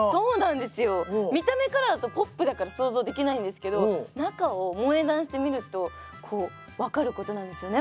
見た目からだとポップだから想像できないんですけど中を萌え断してみるとこう分かることなんですよね